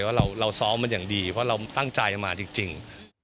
ว่าเราซ้อมมันอย่างดีเพราะเราตั้งใจมาจริง